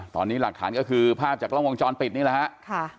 ตอนนี้หลักฐานก็คือภาพจากกล้องวงจรปิดนี่แหละฮะ